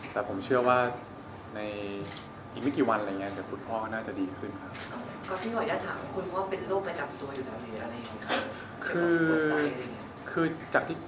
แต่คุณพ่อว่าน่าจะดีขึ้นครับ